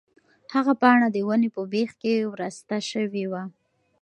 هغه پاڼه د ونې په بېخ کې ورسته شوې وه.